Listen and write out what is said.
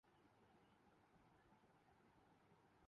اُستاد نے کہا، "بس آج کے لئے اِتنا ہی"